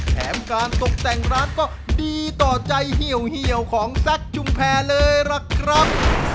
แถมการตกแต่งร้านก็ดีต่อใจเหี่ยวของแซคจุมแพรเลยล่ะครับ